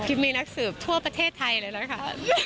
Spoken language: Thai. คิมีนักสืบทั่วประเทศไทยเลยนะคะ